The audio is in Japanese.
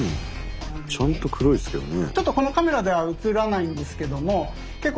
ちゃんと黒いですけどね。